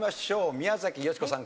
宮崎美子さん